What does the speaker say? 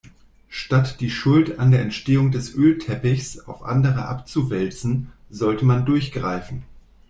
Statt die Schuld an der Entstehung des Ölteppichs auf andere abzuwälzen, sollte man durchgreifen.